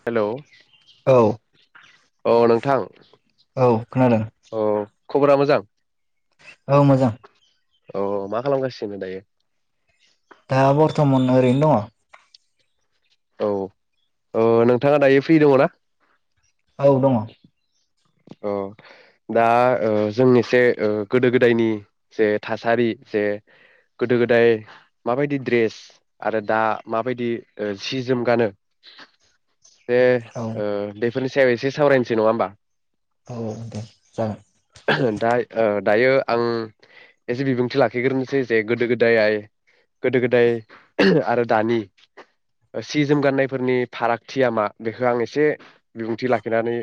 Hello औ औ नोंथां औ खोनादों औ खबरा मोजां? औ मोजां। अह मा खालामगासिनो दायो दा बर्थमान ओरैनो दङ औ-ओ नोंथाङा दायो फ्रि दङना औ दङ अह दा ओ जों एसे ओ गोदो गोदायनि जे थासारि जे गोदो गोदाय माबायदि द्रेस आरो दा माबायदि ओ जि जोम गानो दे औ ओ दे बेफोरनि सायाव एसे सावरायनोसै नङा होमबा औ दे जागोन ओहोम दा ओ दायो आं एसे बिबुंथि लाखिग्रोनोसै जे गोदो गोदाय-गोदो गोदाय ओहोम आरो दानि सि जोम गाननायफोरनि फारागथिया मा बेखौ आं एसे बिबुंथि लाखिनानै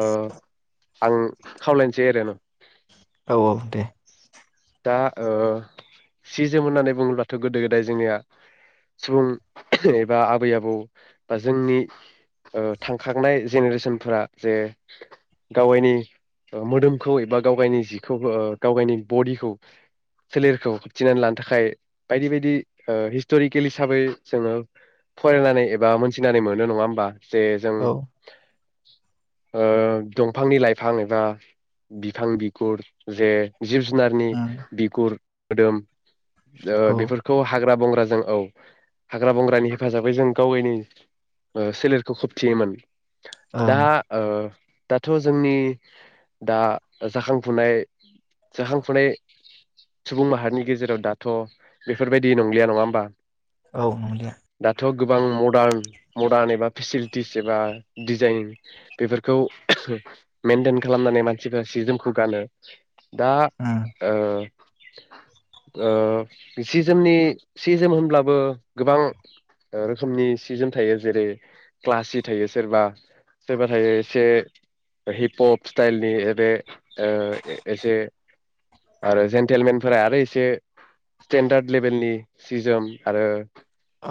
अह आं खावलायनोसै ओरैनो औ-औ दे दा ओ सि जोम होननानै बुङोब्लाथ' गोदो गोदाय जोंनिया सुबुं अह'एबा आबै आबौ बा जोंनि थांखांनाय जेनेरेसनफोरा जे गाव गावनि मोदोमखौ एबा गाव गायनि जिखौ गाव गायनि बडिखौ सोलेरखौ होबथिनानै लानो थाखाय बायदि बायदि हिस्ट'रिकेल हिसाबै जोङो फरायनानै एबा मोनथिनानै मोनो नङा होमबा जे जों औ [unintelligible] ओ दंफांनि लाइफां एबा बिफां बिगुर जे जिब जुनारनि उम बिगुर खोदोम ओ औ बेफोरखौ हाग्रा बं ओ जों औ हाग्रा बंग्रानि हेफाजाबै जों गावनि ओ सोलेरखौ खोबथियोमोन औ ओ दाथ' जोंनि दा जाखांफुनाय-जाखांफुनाय सुबुं माहारिनि गेजेराव दाथ' बेफोरबायदि नंलिया नङा होमबा औ नंलिया थ' गोबां मडार्न मडार्न एबा फेसिलिटिस एबा डिजाइन बेफोरखौ ओहोम मेेनटेन खालामनानै मानसिफोरा सि जोमखौ गानो दा उम ओ ओ सिजोमनि सि जोम होनब्लाबो गोबां ओ रोखोमनि सि जोम थायो जेरै क्लासि थायो सोरबा-सोरबा एसे हिप हप स्टाइलनि एह दे ओ एसे आरो जेन्टेलमेनफोरा आरो एसे स्टेेनडार्द लेभेलनि सिजोम आरो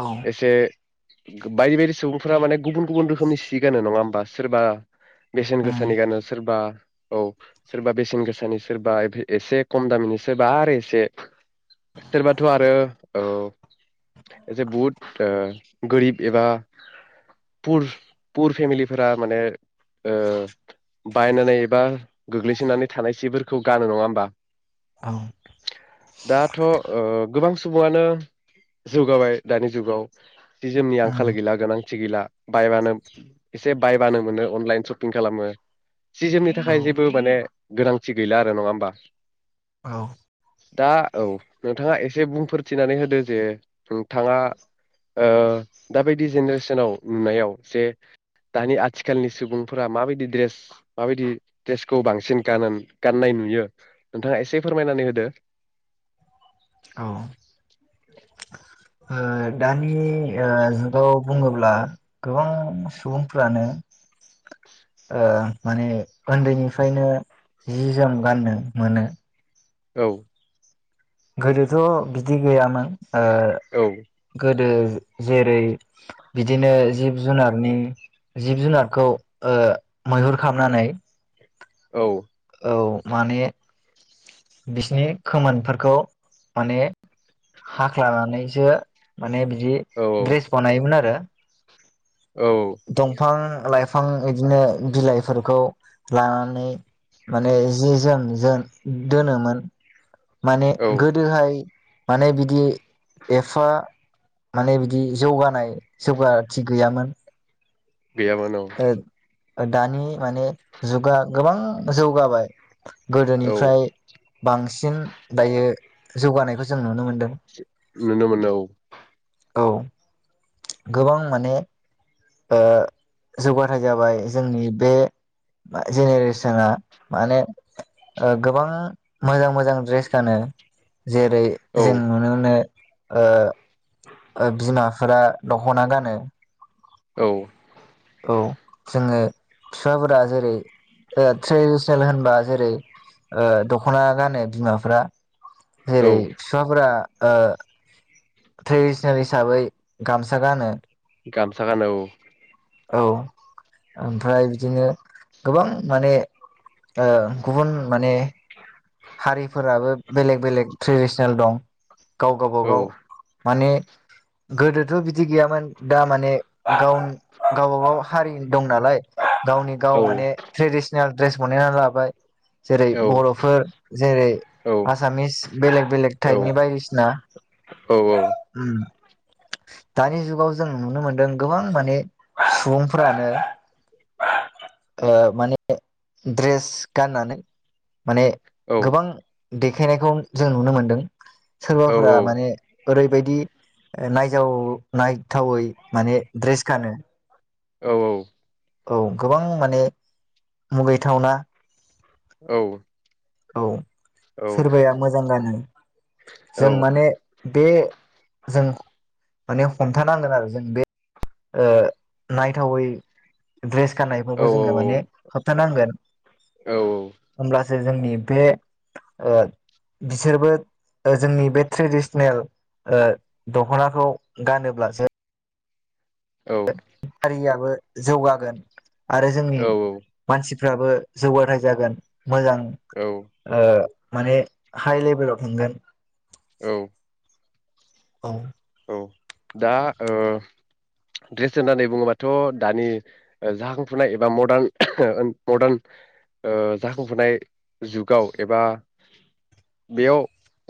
औ एसे बायदि बायदि सुबुंफोरा माने गुबुन गुबुन रोखोमनि सि गानो नङा होमबा सोरबा बेसेन उम गोसानि गानो सोरबा औ सोरबा बेसेन गोसानि सोरबा एसे खम दामिनि सोरबा आरो ए से सोरबाथ' आरो ओ एसे ओ बहुद गोरिब एबा पुर-पुर फेमिलि फोरा माने ओ बायनानै एबा गोग्लैसोनानै थानाय सिफोरखौ गानो नङा होमबा औ दाथ' अ गोबां सुबुङानो जौगाबाय दानि जुगाव जि जोमनि आंखाल उम गैला गोनां- थि गैला बायबानो एसे बायबानो मोनो अनलाइन सपिं खालामो सि जोमनि औ थाखाय जेबो माने गोनांथि गैला आरो नङा होमबा? औ दा औ नोंथाङा एसे बुंफोरथिनानै होदो जे नोंथाङा अ दाबायदि जेनेरेसनाव नुनायाव जे दानि आथिखालनि सुबुंफोरा माबायदि ड्रेस माबायदि द्रेसखौ बांसिन गानन-गाननाय नुयो नोंथाङा एसे फोरमायनानै होदो ओ अ दानि अ जुगाव बुङोब्ला गोबां सुबुंफ्रानो अ माने उन्दैनिफ्रायनो जि जोम गाननो मोनो औ गोदोथ' बिदि गैयामोन ओ औ गोदो जेरै-बिदिनो जिब जुनारनि जिब जुनारखौ अ मैहुर खामनानै औ औ माने बिसोरनि खोमोनफोरखौ माने हाख्लानानैसो माने बिदि औ ड्रेस बानायोमोन आरो औ [inaudible] दंफां लाइफां बिदिनो बिलाइफोरखौ लानानै माने जि जोम जों दोनोमोन माने औ गोदोहाय माने बिदि एफा माने बिदि जौगानाय जौगाथि गैयामोन गैयामोन औ। ओ दानि माने जुगा गोबां जौगाबाय औ गोदोनिफ्राय बांसि फिन दायो जौगानायखौ जों नुनो मोनदों। नुनो मोनो औ। औ गोबां माने ओ जौगाथाय जाबाय जोंनि बे जेनेरेसना माने ओ गोबां मोजां मोजां ड्रेस गानो जेरै औ जों नुनो मोनो ओ बिमाफोरा दख'ना गानो। औ। औ जोङो फिफाफोरा जेरै ट्रेडिसनेल होनबा जेरै दख'ना गानो बिमाफ्रा औ जेरै फिफाफोरा ओ ट्रेडिसनेल हिसाबै गामसा गानो। गामसा गानो औ। औ ओमफ्राय बिदिनो गोबां माने ओ गुबुन माने हारिफोराबो बेलेग बेलेग ट्रेडिसनेल दं। गाव औ गाबागाव माने गोदोथ' बिदि गैयामोन दा माने गाव गावबागाव हारि दं नालाय गावनि गाव औ माने ट्रेडिसनेल ड्रेस बनायनानै लाबाय। जेरै औ बर'फोर जेरै औ आसामिस बेलेक बेलेक औ टाइपनि बायदिसिना औ उम दानि जुगाव जों नुनो मोनदों गोबां माने सुबुंफ्रानो ओ माने ड्रेस गाननानै माने गोबां देखायनायखौ जों नुनो मोन्दों। सोरबाफोरा औ माने ओरैबायदि नायजाव नायथावै माने ड्रेस गानो। औ औ। औ गोबां माने मुगैथावना औ। औ। सोरबाया मोजां गानो, जों माने बे जों माने हमथानांगोन आरो जों बे ओ नायथावै ड्रेस गाननायफोरखौ जोंनो माने होबथा नांगोन होमब्ला जे जोंनि बे ओ बिसोरबो ओ जोंनि बे ट्रेडिसनेल ओ दखनाखौ गानोब्लासो ओ हारियाव बो जौगागोन आरो जोंनि मानसि फ्राबो जौगाथाय जागोन मोजां औ ओ माने हाइ लेभेलाव थांगोन औ औ औ दा ओ ड्रेस होननानै बुङोबाथ दानि ओ जाखांफुनाय एबा मडार्न मडार्न ओ जाखांफुनाय जुगाव एबा बेयाव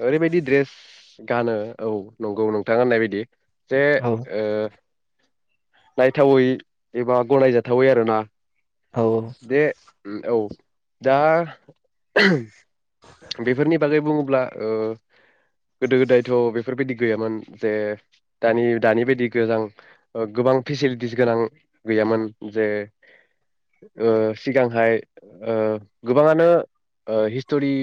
ओरैबायदि ड्रेस गानो औ नंगौ नंगौ नोंथां होननाय बायदि औ नायथावै एबा गनायजाथावै आरो ना औ औ दा [unintelligible] बेफोरनि बागै बुंङोब्ला ओ गोदो गोदायथ बेफोरबायदि गैयामोन जे दानि दानि बायदि गोजां गोबां फेसिलिटिस गोनां गैयामोन जे ओ सिगांहाय ओ गोबांङानो हिस्टरि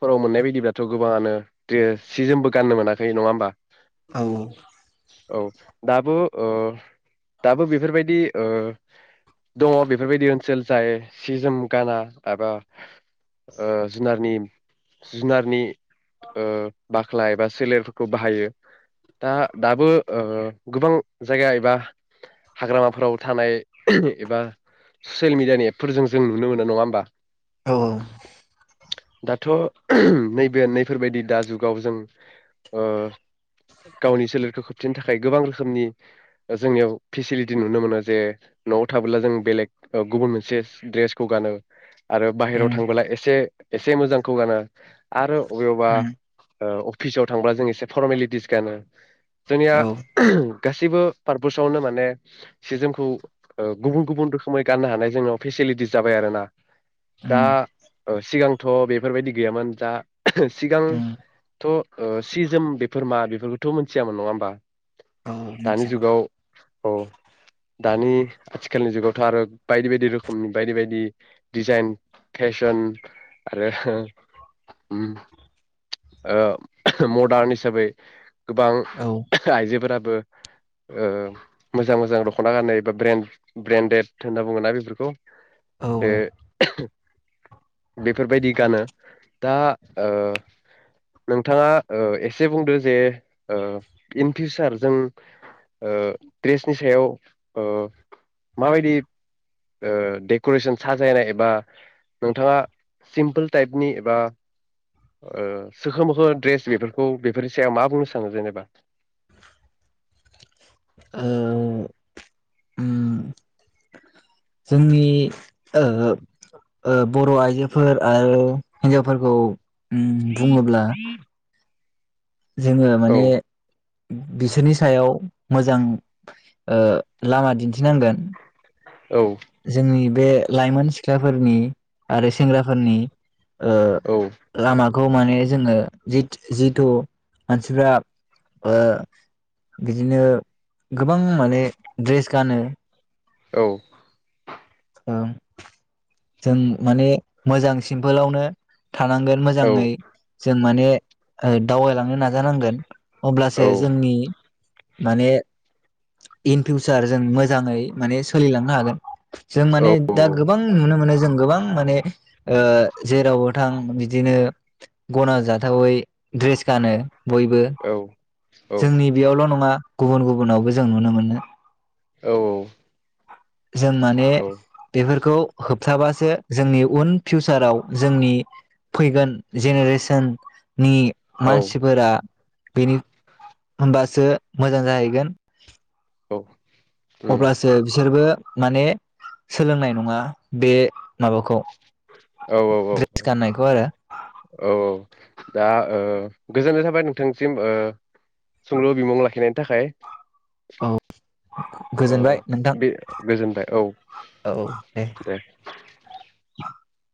फोराव मोननाय बायदिब्लाथ गोबांङानो द्रेस सि जोमबो गाननो मोनाखै नंङा होमबा औ औ औ दाबो ओ दाबो बेफोरबायदि ओ दंङ बेफोरबायदि ओनसोल जाय सि जोम गाना एबा ओ जुनारनि जुनारनि ओ बाख्ला एबा सोलेरफोरखौ बाहायो दा दाबो ओ गोबां जायगा एबा हाग्रामाफोराव थानाय एबा ससियेल मिडियानि एपफोरजों जों नुनो मोनो नंङा होमबा औ दाथ' नैबे नैफोरबायदि दा जुगाव जों ओ गावनि सोलेरखौ खोबथिनो थाखाय गोबां रोखोमनि जोंनियाव फेसिलिटि नुनो मोनो जे नआव थाबोला जों बेलेग गुबुन मोनसे द्रेसखौ गानो आरो बाहेराव उम थांबोला एसे एसे मोजांखौ गानो आरो अबेयावबा उम उम ओ अब अफिसाव थांबा जों एसे फरमेलिटिस गानो जोंनिया औ [unintelligible] गासैबो पारपसावनो माने सि जोमखौ गुबुन गुबुन रोखोमै गाननो हानाय जोंनाव फेसिलिटिस जाबाय आरोना दा ओ सिगांथ बेफोरबायदि गैयामोन दा सिगां उम थ सि जोम बेफोर मा बेफोरखौथ मिथियामोन नङा होमबा औ दानि मिथियामोन जुगाव औ दानि आथिखालनि जुगावथ' आरो बायदि बायदि रोखोमनि बायदि बायदि डिजाइन फेशन आरो ओ मडार्न हिसाबै गोबां औ आइजोफोरा -बो मोजां मोजां दख'ना गानो एबा ब्रेन्ड ब्रेन्डेड होनना बुङोना बेफोरखौ औ बे औ बेफोरबायदि गानो दा ओ नोंथाङा ओ एसे बुंदो जे ओ इन फिउसार ओ जों ओ दड्रेसनि सायाव ओ माबायदि ओ डेक'रेसन साजायनाय एबा नोंथाङा सिम्पोल टाइपनि एबा ओ सोखो मोखो ड्रेस बेफोरखौ बेफोरनि सायाव मा बुंनो सानो जेनेबा ओ उम जोंनि ओ ओ बर' आइजोफोर आरो हिनजावफोरखौ [inaudible] जोङो औ माने बिसोरनि सायाव मोजां ओ लामा दिन्थिनांगोन औ जोंनि बे लाइमोन सिख्लाफोरनि आरो सेंग्राफोरनि ओ औ लामा खौ माने जोङो जिथ जिथु मानसिफ्रा ओ बिदिनो गोबां माने ड्रेस गानो औ ओं जों माने मोजां सिमपोलावनो थानांगोन मोजाङै औ जों माने ओ दावगायलांनो नाजानांगोन अब्लासो औ जोंनि माने इन फिउसार जों मोजाङै माने सोलिलांनो हागोन जों माने दा गोबां नुनो मोनो जों गोबां माने ओ जेरावबो नोंथां बिदिनो गनाजाथावै ड्रेस गानो बयबो औ जोंनि बेयावल नङा गुबुन गुबुनावबो जों नुनो मोनो औ औ औ जों माने बेफोरखौ होबथाबासो जोंनि उन फिउचाराव जोंनि फैगोन जेनेरेसोन नि औ मानसिफोरा बेनि होनबासो मोजां जाहैगोन औ अब्लासो बिसोरबो। माने सोलोंनाय नङा बे माबाखौ औ औ औ द्रेस गाननायखौ आरो। औ दा ओ गोजोननाय थाबाय नोंथांसिम ओ सोंलु बिमुं लाखिनायनि थाखाय औ। ओ गोजोनबाय नोंथां बे गोजोनबाय औ दे। [inaudible]